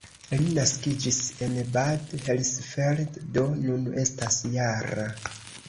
Li naskiĝis en Bad Hersfeld, do nun estas -jara.